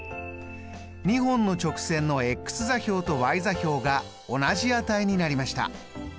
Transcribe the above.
２本の直線の座標とｙ座標が同じ値になりました。